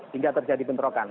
hingga terjadi penterokan